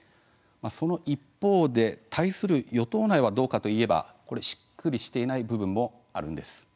その一方で対する与党内はどうかといえばしっくりしていない部分もあるんです。